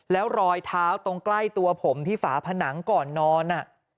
แล้วรอยเท้าตรงใกล้ตัวผมที่ฝาผนังก่อนนอน